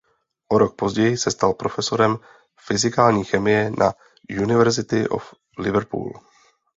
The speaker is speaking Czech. O rok později se stal profesorem fyzikální chemie na University of Liverpool.